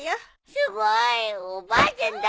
すごい！おばあちゃん大好き！